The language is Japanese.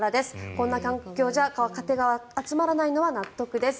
こんな環境じゃ若手が集まらないのは納得です。